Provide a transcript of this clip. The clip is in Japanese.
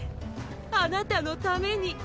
あなたのために！